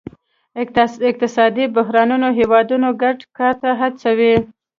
اقتصادي بحرانونه هیوادونه ګډ کار ته هڅوي